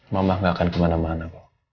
mama gak akan kemana mana